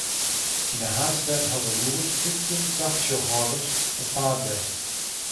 Yn de haadstêd hawwe hjoed fyftjin tafersjochhâlders op paad west.